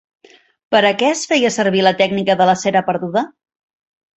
Per a què es feia servir la tècnica de la cera perduda?